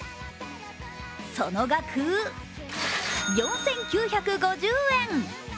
その額、４９５０円。